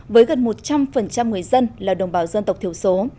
với gần một trăm linh người dân là đồng bào dân tộc thiểu số